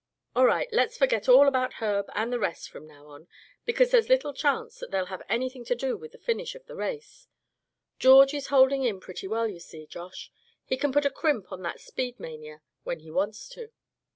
"All right, let's forget all about Herb, and the rest from now on, because there's little chance that they'll have anything to do with the finish of the race. George is holding in pretty well, you see, Josh. He can put a crimp in that speed mania, when he wants to."